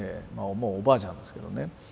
もうおばあちゃんですけどね。